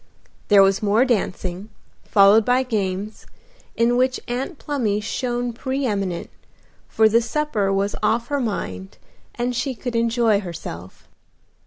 There was more dancing, followed by games, in which Aunt Plumy shone pre eminent, for the supper was off her mind and she could enjoy herself.